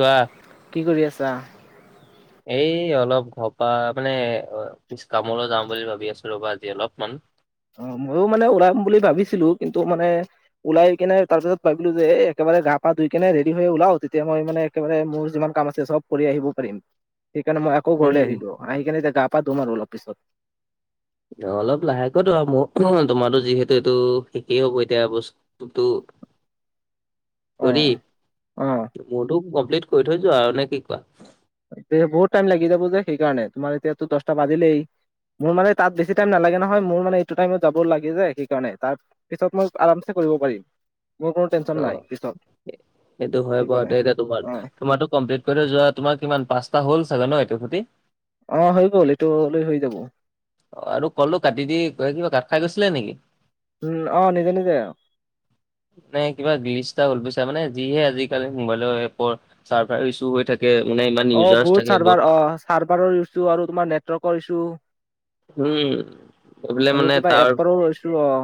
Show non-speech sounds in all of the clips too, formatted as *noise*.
চোৱা হয়। এই অলপ ঘৰপা মানে অ', পিছ কামলৈ যাওঁ বুলি ভাবি আছো ৰ'বা আজি অলপমান। অ', ময়ো মানে ওলাম বুলি ভাবিছিলোঁ কিন্তু মানে ওলাই কিনে তাৰ পিছত ভাবিলো যে একেবাৰে গা পা ধুই কেনে ৰেডি হৈ ওলাও তেতিয়া মই মানে। একেবাৰে মোৰ যিমান কাম আছে চব কৰি আহিব পাৰিম। সেইকাৰণে মই আকৌ ঘৰ উম আহিলো আহি কেনে এতিয়া গা পা ধুম আৰু অলপ পিছত। অ', অলপ লাহেকৈ ধোৱা মোৰ তোমাৰো যিহেতু এইটো শেষেই হব এতিয়া এবছৰ। টোটো। কৰি অ' অ' মোৰতো কমপ্লিট কৰি থৈ যোৱা আৰু নে কি কোৱা। এতিয়া বহুত টাইম লাগি যাব যে সেইকাৰণে তোমাৰ এতিয়াতো দচটা বাজিলেই। মোৰ মানে তাত বেছি টাইম নালাগে নহয় মোৰ মানে এইটো টাইমত যাব লাগে যে সেইকাৰণে তাত। পিছত মই আৰামছে কৰিব পাৰিম। মোৰ কোনো টেনচন নাই অ', পিছত সেইটো হয় বাৰু সেইকাৰণে তে এতিয়া তোমাৰ অ' তোমাৰটো কমপ্লিট। তলৈ যোৱা তোমাৰ কিমান পাঁচটা হ'ল চাগে ন এইটো সতি। অ', হৈ গ'ল এইটো হলে হৈ যাব। অ', আৰু কলটো কাটি দি ক কিবা কাট খাই গৈছিলে নেকি? উম অ', নিজে - নিজে। মানে কিবা গ্লিটচ এটা হল বুজিছা মানে যিহে আজিকালি মোবাইলৰ এপৰ চাৰ্ভাৰ ইছ্যু হৈ থাক যে মানে ইমান অ ইউজাৰছ বহুত থাকে য'ত। চাৰ্ভাৰ অ চাৰ্ভাৰৰ ইছ্যু আৰু তোমাৰ নেটৱৰ্কৰ ইছ্যু। উম, এইফালে আৰু মানে কিবা তাৰ এপৰো লৈছো ৰ।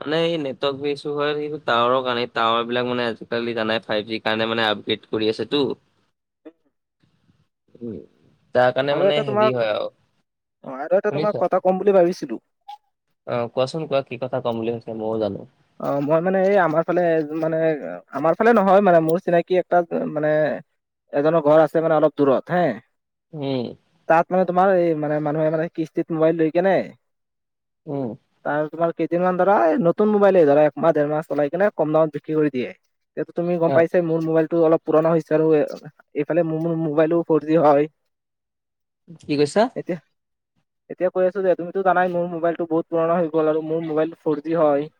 মানে এই নেটৱৰ্ক বোৰ ইছু হয় এই টাৱাৰৰ কাৰণে টাৱাৰ বিলাক মানে আজিকালি জানাই ফাইভ জি। কাৰণে মানে আপগ্ৰেড কৰি আছে টো। *unintelligible* উম তাৰ কাৰণে মানে হেভি হয় আৰু। অ', আৰু এটা তোমাৰ শুনিছা? কথা ক'ম বুলি ভাবিছিলো। অ', কোৱাচোন কোৱা কি কথা ক'ম বুলি ভাবিছিলা মইও জানো। অ', মই মানে এই আমাৰ ফালে এ মানে। আমাৰ ফালে নহয় মানে মোৰ চিনাকি একটা মানে এজনৰ ঘৰ আছে মানে অলপ দূৰত হে। উম। তাত মানে তোমাৰ এই মানে মানুহে মানে কিস্তিত মোবাইল লৈ কেনে। উম। তাৰ তোমাৰ কেইদিনমান ধৰা নতুন মোবাইল ধৰা একমাহ ডেৰ মাহ চলাই কিনে কম দামত বিক্ৰী কৰি দিয়ে। এতিটো তুমি গম অ', পাইচাই মোৰ মোবাইলটো অলপ পুৰণা হৈছে আৰু অ', এইফালে মোৰ মোৰ মোবাইলো ফৰ জি হয়। কি কৈছা? এহ এতিয়া কৈ আছো যে তুমিতো জানাই মোৰ মোবাইলটো বহুত পুৰণা হৈ গ'ল আৰু মোৰ মোবাইলটো ফৰ জি হয়।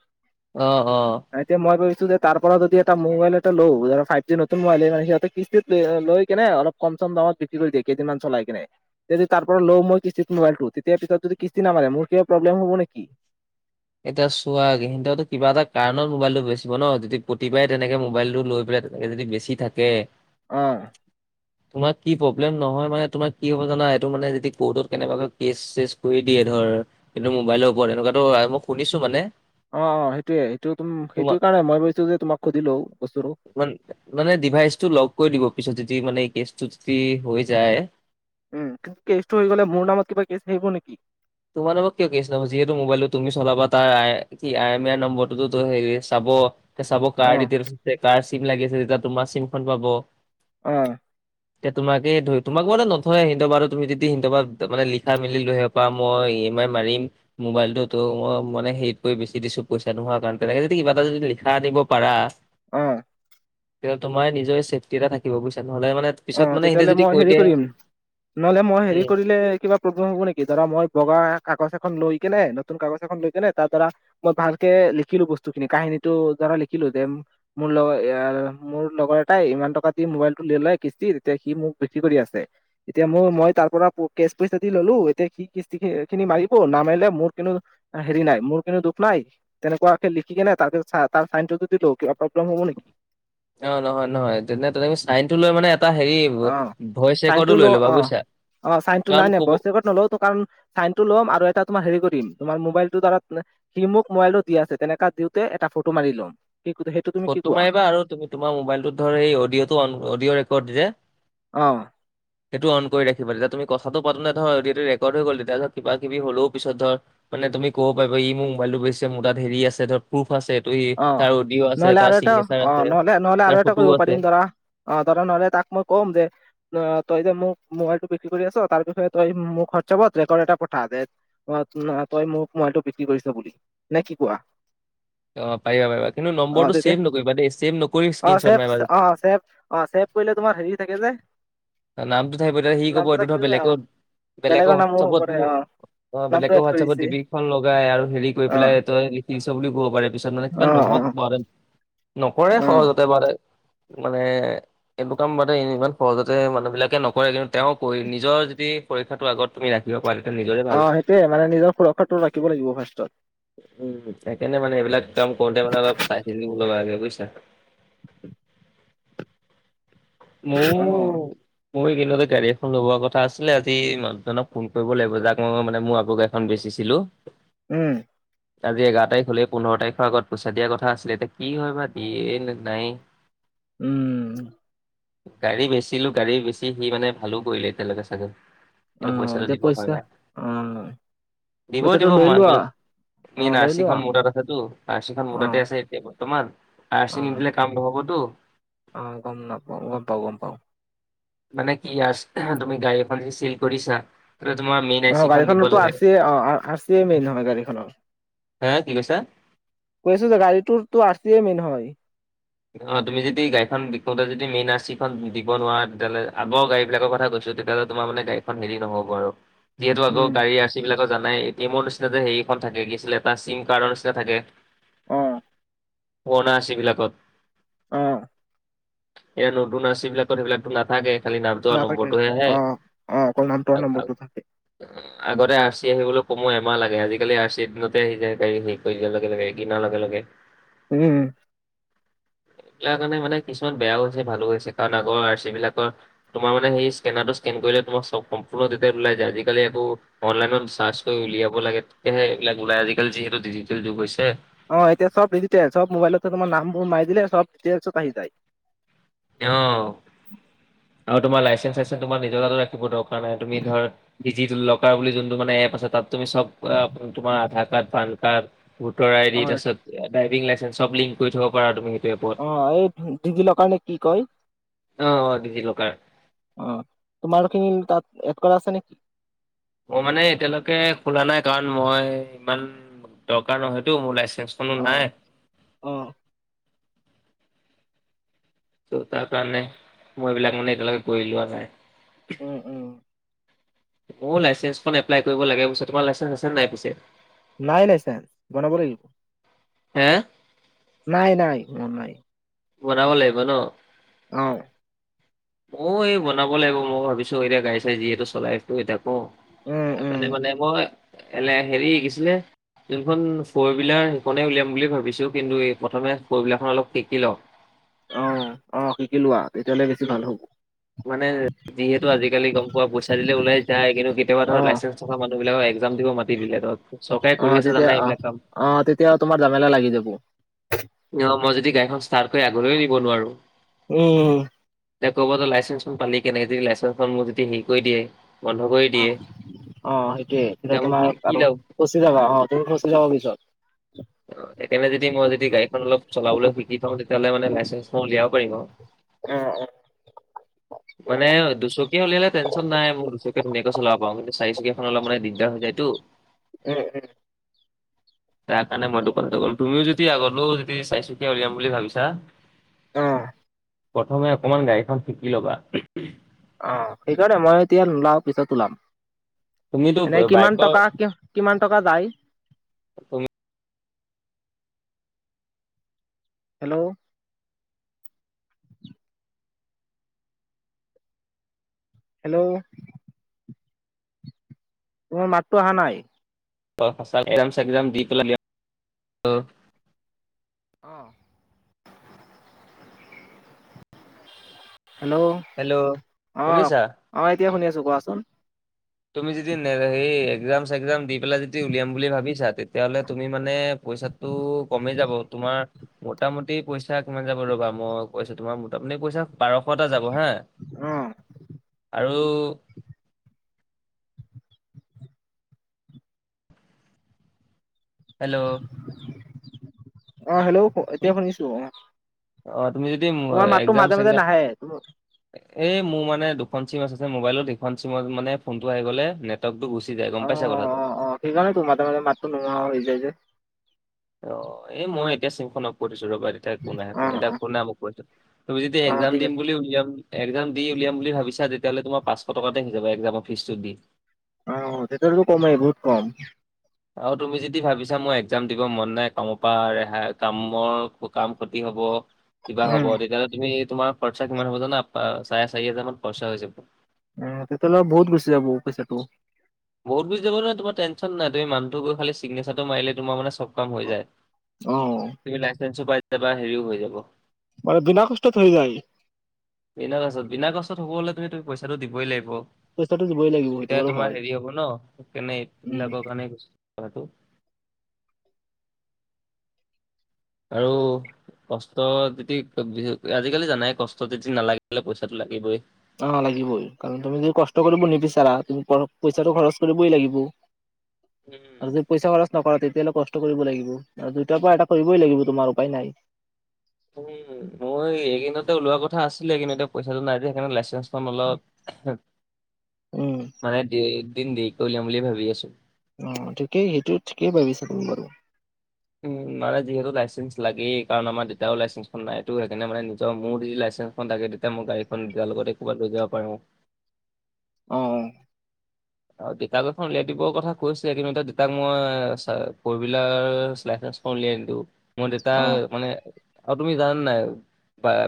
অ', অ'। আ এতিয়া মই কৈছোঁ যে তাৰ পৰা যদি এটা মোবাইল এটা লওঁ যে ফাইভ জি নতুন মবাইলে মানে সিহঁতে কিস্তিত লৈ কেনে অলপ কম চম দামত বিক্ৰী কৰি দিয়ে কেইদিনমান চলাই কিনে। এতিয়া যদি তাৰ পৰা লওঁ মই কিস্তিত মোবাইলটো তেতিয়া পিছত যদি কিস্তি নামাৰে মোৰ কিবা প্ৰব্লেম হ'ব নেকি? এতিয়া চোৱা গিণ্ড হতে কিবা এটা কাৰণত মোবাইলটো বেচিব ন যদি প্ৰতিবাৰে তেনেকে মোবাইলটো লৈ পেলাই। তেনেকে যদি বেছি থাকে। অ'। তোমাৰ কি প্ৰব্লেম নহয় মানে তোমাৰ কি হব জানা এইটো মানে যদি কৌৰ্টত কেনেবাকৈ কেচ চেচ কৰি দিয়ে ধৰ- কিন্তু মোবাইলৰ ওপৰত এনেকুৱাতো মই শুনিছো মানে। অঁ অঁ সেইটোয়ে সেইটো তোম তোমাৰ সেইটো কাৰণে মই ভাবিছো যে তোমাক সুধিলো বস্তুটো। মানে ডিভাইচটো লগ কৰি দিব পিছত যদি মানে কেচটো যদি হৈ যায়। উম' কিন্তু, কেচটো হৈ গ'লে মোৰ নামত কিবা কেছ আহিব নেকি? তোমা নামত কিয় কেছ নহব যিহেতু মোবাইলটো তুমি চলাবা তাৰ আই এমাই নম্বৰটোটো হেই চাব। চাব কাৰ অ', দিতেলচ কাৰ চিম লাগি আছে তেতিয়া তোমাৰ চিমখন পাব। অঁ' এ তোমাকে ধৰি তোমাক মানে নথয় হিনতৰবাৰ তুমি যদি সিন্ট বাৰ মানে লিখাই মেলি লৈ আহিব বা- মই ই ইএ মাই মাৰিম। মোবাইলটোতো মই মানে হেৰিতকৈ বেছি দিছো পইচা নোহোৱা কাৰণে তেনেকে যদি কিবা এটা যদি লিখা আনিব পাৰা- অঁ' তেতিয়া তোমাৰে নিজৰে চেফটি এ থাকিব বুজছা নহলে মানে- পিছত অঁ মানে সিহঁতে তেতিয়াহ'লে যদি মই কৈ হেৰি দিয়ে কৰিম নহলে মই হেৰি উম, কৰিলে কিবা- প্ৰব্লেম হ'ব নেকি? ধৰা মই বগা কাগজ এখন লৈ কেনে নতুন কাগজ এখন লৈ কেনে তাত ধৰা- মই ভালকে লিখিলো বস্তু খিনি কাহিনীটোৰ দ্বাৰা লিখিলো দেম- মোৰ লগৰ এয়াৰ মোৰ লগৰ এটাই ইমান টকা দি মোবাইল টো লে লয়- কিস্তি তেতিয়া সি মোক বিক্ৰী কৰি আছে। এতিয়া মই মই তাৰ পৰা কেচ পইচা দি ললো এতিয়া সি কিস্তি খিনি মাৰিব নামাৰিলে মোৰ কিন্তু, হেৰি নাই মোৰ কিন্তু দুখ নাই- তেনেকুৱাকে লিখি কিনে তাতে তাৰ চাইনটোতদি দিলো কিবা প্ৰব্লেম হব নেকি? অঁ নহয় নহয়, তেনে তেনেকে চাইন টো লৈ মানে- এটা হেৰি অঁ ভইচ ৰেকৰ্ডো চাইনটো ল লৈ ল'বা অঁ বুজিছা অঁ চাইনটো কাৰণ নাই নাই ক'ব বছেকত নলওতো কাৰণ- চাইনটো ল'ম আৰু এটা তোমাৰ হেৰি কৰিম তোমাৰ মোবাইলটো দ্বাৰা- সি মোক মোবাইলতো দি আছে তেনেকা দিওঁতে এটা ফটো মাৰি লম সেই- ফটো মাৰিবা আৰু তুমি তোমাৰ মোবাইলটোত ধৰ এই অডিঅ'টো অডিঅ' ৰেকৰ্ড যে- অঁ'। সেইটো অন কৰি ৰাখিবা তেতিয়া তুমি কথাটো পাতো তে ধৰ অডিঅটো ৰেকৰ্ড হৈ গ'ল তেতিয়া ধৰ কিবা কিবি হলও ধৰ পিছত ধৰ- মানে তুমি ক'ব পাৰিবা ই মোৰ মোবাইলটো বজিছে মোৰ তাত হেৰি আছে ধৰ প্ৰুফ আছে এইটো ই অ তাৰ অডিঅ' আছে। নহ'লে তাৰ আৰু এটা চিগনেচাৰ অ' আছে নহলে নহলে আৰু তাৰ এটা ফটোও কৰিব আছে পাৰিম ধৰা অঁ ধৰা নহলে তাক মই কম যে- অ' তই যে মোক মোবাইল টো বিক্ৰী কৰি আছ তাৰ বিষয়ে তই মোক হুৱাটচেপত ৰেকৰ্ড এটা পঠা দে- অ' তই মোক মবাইলতো বিক্ৰী কৰিছ বুলি নে কি কোৱা? অঁ' পাৰিবা পাৰিবা কিন্তু, অ নম্বৰটো তেতিয়া ছেভ নকৰিবা দেই চেছেভ নকৰি স্ক্ৰীনশ্বট মাৰিবা। অঁ' চেভ- অঁ' ছেভ কৰিলে তোমাৰ হেৰি থাকে যে- নামটো থাকিব সি ক'ব নামটো এইটো থাকিব ধৰ যে অ বেলেগত বেলেগ বেলেগৰ নামো হ'ব পাৰে হুৱাটশ্বেপত মোৰ- অ অঁ' বেলেক নামটো এড হোৱাটছআপত কৰিছে। ডিপি খন লগাই আৰু হেৰি কৰি পেলাই অ', তই- নিছ বুলি ক'ব পাৰে পিছত মানে কিবা অ', নহওক অ', নকলে অ', হ'ল। তে মানে মানে এইটো কাম মানে ইমান সহজতে- যে মানুহবিলাকে নকৰে কিন্তু তেওঁ কৈ নিজৰ যদি পৰীক্ষাটো আগত- তুমি ৰাখিব পাৰে তেতিয়া নিজৰে- ভাল অঁ সেইটোয়ে মানে নিজৰ সুৰক্ষাটো ৰাখিব লাগিব ফাষ্টত। উম, সেইকাৰণে মানে এইবিলাক কাম কৰোতে মানে অলপ চাই চিতি লব লাগে বুইছা। অ', ময়ো- মো এইকেদিনতে গাড়ী এখন ল'বোৱা কথা আছিলে আজি মানুহজনক ফোন কৰিব লাগিব যাক মই মানে মোৰ আগ গা়ড়ীখন বেচিছিলো। উম। আজি এঘাৰ তাৰিখ হলে পোন্ধৰ তাৰিখৰ আগত পইচা দিয়া কথা আছিলে এতিয়া কি হয় বা দিয়ে নে নাই। উম। গাড়ী বেচছিলো গাড়ী বেছি হি মানে ভালো কৰিলে এতিয়ালৈকে চাগে। কিন্তু অ', পইচাটো এতিয়া দিব হয় পইচা নাই। অ', দিব পইচাটো দিব লৈ মই আমি, লোৱা অ', মেইন লৈ আৰ্চি লোৱা খন মোৰতাত আছেতো আৰ্চিখন মোৰতাতে অ', আছে। এই তোমাৰ আৰ্চি অ', নিদিলে কাম নহবতো। অ' গম নাপাও। গম পাওঁ গম পাওঁ। মানে কি আৰ্চ তুমি গাড়ী এখন যদি চিল কৰিছা। তোমাৰ মেইন অ', আৰ্চিখন দিব গাড়ীখনতো আৰ লাগে। চি অ আৰ চি মেইন হয় গাড়ীখনৰ হে কি কৈছা। কৈছোঁ যে গাড়িতো আৰ্চিয়ে মেইন হয়। অ' তুমি যদি গাড়ীখন বিকোতে যদি মেইন আৰ্চিখন দিব নোৱাৰা তেতিয়াহ'লে আগৰ গাড়ী বিলাকৰ কথা কৈছো। তেতিয়াহলে তোমাৰ মানে গড়ীখন হেৰি নহ'ব আৰু যিহেতু আগৰ উম, গাড়ী আছে। সবিলাক ত জানাই এ টি এমৰ নিচনা যে সেখন থাকে কি আছিলে এটা চিম কাৰ্ডৰ নিচিনা থাকে। অ'। পূৰনা আৰ্চি বিলাকত। অ'। এ নতুন আৰ্চিবিলাকত সেইবিলাক টো নাথাকে। খালি নামটো আৰু নাথাকে নম্বৰটোহে *unintelligible* অ', অ অকল নামটো আৰু নম্বৰটো থাকে। আগতে আৰ্চি আহিবলৈ সময় এমাহ লাগে, আজিকালি আৰ্চি দিনতে আহি যায় গাড়ী হেৰি কৰি দাৰ লগে লগে কিনাৰ লগে লগে। উম। তাৰ কাৰণে মানে কিছুমান বেয়া হৈছে ভালো হৈছে কাৰণ আগৰ আৰ্চি বিলাকৰ তোমাৰ মানে সেই ইক্ৰেনাৰটো ইক্ৰেন কৰিলে তোমাক চব সম্পূৰ্ণ ডিটেইলছ ওলাই যায়। আজিকালি একো অনলাইনত চাৰ্চ কৰি উলিয়াব লাগে তেতিয়ে এইবিলাক ওলাই আজিকালি যিহেতু ডিজিটেল যুগ হৈছে। অ' এতিয়া চব ডিজিটেল চব মোবাইলত তোম নামবোৰ মাৰ দিলে চব ডিটেইলছত আহি যায়। অ' আৰু তোমাৰ লাইচেন্ চাইচেন্ তোমাৰ নিজৰ তাতো ৰাখিব দৰকাৰ নাই তুমি ধৰ ডিজিটেল লকাৰ বুলি যোনটো মানে এপ আছে তাত তুমি চব তোমাৰ Aadhaar card PAN card voter ID অ', তাৰপিছত ড্ৰাইভিং লাইচেঞ্চ চব লিংক কৰি থব পাৰা তুমি সেইটো এপত। অ' এই টি ভি লকাৰ নে কি কয়। অ অ' ডিজী লকাৰ। অ' তোমাৰখিনি তাত এড কৰা আছে নেকি। মই মানে এতিয়ালৈকে খোলা নাই কাৰণ মই ইমান দৰকাৰ নহয়তো মোৰ লাইচেন্ঞ্চটো। কোনো অ', নাই। অ', টো' তাৰ কাৰণে মই এইবিলাক মানে এতিয়ালৈকে কৰি লোৱা নাই। উম উম। মোৰ লাইচেঞ্চখন এপ্লাই কৰিব লাগে পছে। তোমাৰ লাইচেঞ্চ আছে নাই পিছে? নাই লাইচেঞ্চ বনাব লাগিব। হে? নাই নাই মোৰ নাই। বনাব লাগিব ন? অঁ'। অ' এই বনাব লাগিব মই ভাবিছো এতিয়া গাই চাই যিহেতু চলাই আছোঁ। ত' এতিয়া ক উম, তাৰ উম, কাৰণে মানে মই এনে হেৰি শিকিছিলে। যোনখন ফৰভিলাৰ সেইখনেই উলিয়াম বুলি ভাবিছোঁ, কিন্তু এই প্ৰথমে ফৰভিলাৰ অলপ শিকি লওঁ। অ', অ' শিকিলোৱা তেতিয়াহলে বেছি ভাল হ'ব। মানে যিহেতু আজিকালি গম পোৱা পইচা দিলে ওলাই যায়, কিন্তু কেতিয়াবা ধৰ অ', লাইচেন্ঞ্চ থকা মানুহ বিলাকক এক্জাম দিব মাতি দিলে ধৰ, চৰকাৰে কৰি অ', আছে তেতিয়া জানাই অ', এইবিলাক কাম। অ', তেতিয়া তোমাৰ জামেলা লাগি *inaudible* অ', মই যদি গাড়িখন ষ্টাৰ্ট কৰি আগলৈও নিব নোৱাৰোঁ উম। দে ক'ব যে লাইচেন্খন পালি কেনেক যদি লাইচেন্ঞ্চখন মোক যদি হেৰি কৰি দিয়ে। বন্ধ কৰি অ', দিয়ে অ' সেইটোয়ে কিন্তু তেতিয়া মোক কি তোমাৰ কি আৰু লাভ ফচি যাবা অ', তুমি ফচি যাব পিছত। অ', এইকাৰনে যদি মই যদি গাড়ীখন অলপ চলাবলৈ শিকি থওঁ তেতিয়াহ'লে মানে লাইচেঞ্চ মই উলিয়াব পাৰিম। উম মানে দুচকীয়া উলিয়ালে টেনচন নাই মূৰ দুচকীয়া ধুনীয়াকৈ চলাব পাৰোঁ কিন্তু চাৰি চকীয়াখন অলপ মান দিগদাৰ হৈ যায় টো। উম, উম। মানে মইতো কথাটো কলোঁ, তুমিও যদি আগলৈও যদি চাৰিচুকীয়া উলিয়াম বুলি ভাবিছা অ'। প্ৰথমে অকমান গাড়ীখন শিকি ল'বা। অ', সেইকাৰণে মই এতিয়া নোলাও পিছত ওলাম। তুমিতো এনে ব- কিমান বাইকৰ টকা কিয় কিমান টকা যায়? তুমি হেল্ল'। হেল্ল'। তোমাৰ মাতটো অহা নাই। অ' *unintelligible* চেক্জাম দি পেলাই *unintelligible* অ'। হেল্ল' হেল্ল' অ', শুনিছা অ', এতিয়া শুনি আছোঁ কোৱাচোন। তুমি যদি সেই একজাম চেগ্জাম দি পেলাই যদি উলিয়াম বুলি ভাবিছা, তেতিয়াহ'লে তুমি মানে পইচা টো কমি যাব, তোমাৰ মোটামুটি পইচা কিমান যাব ৰ'বা মই কৈছো তোমাৰ মোটামুটি পইচা বাৰশ ব হা, অ আৰু হেল্ল'। অ', হেল্ল' এতিয়া শুনি- শুনিছো অ' অ', তুমি যদি তোমাৰ মাততো মো-এক্জাম মাজে মাজে চেক্জাম নাহে এ মোৰ মানে দুখন চিম আছে মোবাইলত সিখন চিমত মানে ফোনটো আহি গলে নেট ডাইতটো গুচি যায় গম পাইছা কথাটো। সেইকাৰণে তোৰ মাতে মাজে মাতটো নোহোৱা হৈ যায় যে। অ', এই মই এতিয়া চিমখন অফ কৰি থৈছোঁ ৰ'বা। এতিয়া একো নাই অ একো নাই। এতিয়া অ কো নাই মই কো তুমি যদি অ এক্সাম ঠিক দিম আছে বুলি উলিয়াম এক্জাম দি উলিয়াম বুলি ভাবিছা তেতিাহলে তোমাৰ পাঁশটকাতে হৈ যাব এক্জামৰ ফিজটো দি। অ', তেতিয়াতো কম আহে বহুত কম। আৰু তুমি যদি ভাবিছা মই এক্জাম দিব মন নাই কামৰ পৰা ৰেহাই কামৰ কাম ক্ষতি হব। কিবা হব উম তেতিয়াহ'লে তুমি তোমাৰ খৰচা কিমান হ'ব জানা পা-চাৰে চাৰি হাজাৰ মান খৰচা হৈ যাব। উম, তেতিয়াহলে বহত গুছি যাব পইচাটো। বহুতু গুচি যাব মানে তোমাৰ টেনচন নাই তুমি মানুহটো গৈ খালী চিগনেচাৰটো মাৰিলে তোমাৰ মানে চব কাম হৈ যায়। অ'। তুমি লাইচেন্ঞ্চো পাই যাবা হেৰিও হৈ যাব। মানে বিনা কষ্টত হৈ যায় বিনা কষ্টত বিনা কষ্টত হব হলে তুমি পইচাটো দিবই লাগিব পইচাটো দিবই লাগিব সেইটো বাৰু হয় সেইটো কাৰণে উম মিলাব কাৰণে গৈছিলোঁ কথাটো। আৰু কষ্ট যদি আজিকালি জানাই কষ্ট যদি নালাগিলে পইচাটো লাগিবই অ লাগিবই কাৰণ তুমি যদি কষ্ট কৰিব নিবিচাৰা তুমি পইচাটো খৰচ কৰিবই লাগিব। উম *unintelligible* পইচা খৰচ নকৰা তেতিয়াহ'লে কষ্ট কৰিব লাগিব দুইটাৰ পৰা এটা কৰিবই লাগিব তোমাৰ উপায় নাই উম মই এই কেইদিনতে ওলোৱা কথা আছিলে কিন্তু এতিয়া পইচাটো নাই যে সেইকাৰণে লাইচেন্স সমলত *inaudible* উম মানে দুদিন দেৰিকে উলিয়াম বুলি ভাবি আছো। অ ঠিকেই সেইটো ঠিকেই ভাবিছা তুমি বাৰু উম মানে যিহেতু লাইচেঞ্চ লাগেই কাৰণ আমাৰ দেউতাও লাইচেঞ্চখন নাই এইটো সেইকাৰণে মানে নিজৰ মোৰ যি লাইচেন্স তাকে তেতিয়া মই গাড়ীখন দিয়াৰ লগতে একেবাৰেই লৈ যাব পাৰা। অ আৰু দেতাক এখন উলিয়াই দিবৰ কথা কৈছিলে দেতাক মই ফ'ৰ হুইলাৰ লাইচেন্স। উলিয়ায় দিলোঁ মই দেউতা অ', অ'। মানে আৰু তুমি জানা নাই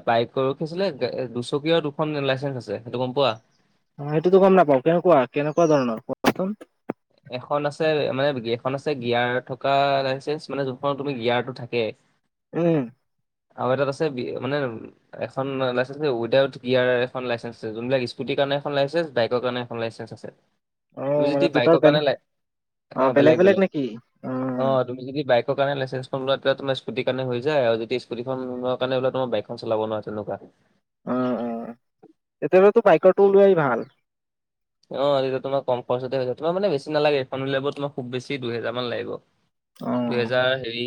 বাইকৰোঁ কি আছিলে দুচকিয়া দুখন লাইচেন্স আছে সেইটো গম পোৱা। অ সেইটোতো গম নাপাও কেনেকুৱা কেনেকুৱা ধৰণৰ কোৱাচোন এখন আছে মানে এখন আছে গিয়াৰ থকা লাইচেন্ঞ্চ মানে যোনখনত তুমি গিয়াৰটো থাকে উম আৰু এটাত আছে বি মানে এখন লাইচেঞ্চ উইদাউট গিয়াৰ এখন লাইচেঞ্চছ যোনবিলাক স্কুটিৰ কাৰণে এখন লাইচেঞ্চ বাইকৰ কাৰণে এখন লাইচেন্স আছে *unintelligible* মানে যদি দুটাৰ বাইকৰ কাৰণে বেলেগ লাই অ বেলেগ বেলেগ অ তুমি যদি বাইকৰ কাৰণে লাইচেন্ঞ্চখন লোৱা তেতিয়া তোমাৰ স্কুটি কাৰণে হৈ যায় আৰু যদি স্কুটি লোৱাৰ কাৰণে লোৱা তোমাৰ বাইক চলাব নোৱাৰা তেনেকুৱা অ অ তেতিয়াহলেতো বাইকৰটো ওলোৱাই ভাল এতিয়া তোমাৰ কম খৰচতে হৈ যায় তোমাৰা মানে বেছি নালাগে এইখন উলিয়াব তোমাৰ খুববেছি দুহেজাৰমান লাগিব। অ'। দুহেজাৰ হেৰি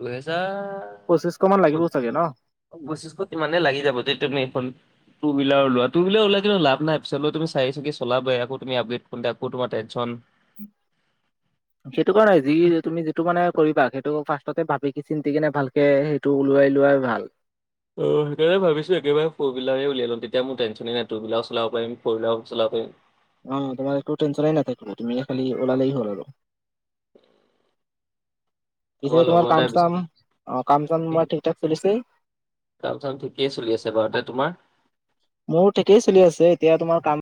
দুহেজাৰ পঁচিছশমান লাগিব চাগে ন পঁচিশ ইমানে লাগি যাব তেতিয়া তুমি এইখন টুহুইলাৰ লোৱা টুহুইলাৰ ওলাই কিন্তু লাভ নাই পিছলৈ তুমি চাৰি চকীয়া চলাবাই আকৌ তুমি আপডে কৰোঁতে তোমাৰ টেনছন সেইটো কাৰণে যি তুমি যিটো মানে কৰিবা সেইটো ফাৰ্ষ্টতে ভাবি চিন্তি কিনে ভালকে টো ওলোৱাই লোৱাই ভাল। অ সেইকাৰনে ভাবিছো একেবাৰে ফ'ৰ হুইলাৰ উলিয়ায় ল'ম তেতিয়া মোৰ টেনচনে নাই টোহুইলাৰো চলাব পাৰিম ফৰ' হুইলাৰো চলাব পাৰিম। অ তোমাৰ একো ট্ৰেইচনে নাথাকিব তুমি খালি ওলালেই হ'ল আৰু *unintelligible* পিছে আমাৰ তোমাৰ লগৰ এটাই কাম চাম বিচ অ কাম চাম তোমাৰ ঠিক ঠাক চলিছেই কাম চাম ঠিকেই চলি আছে বাৰু এতিয়া তোমাৰ মোৰ ঠিকেই চলি আছে এতিয়া তোমাৰ কাম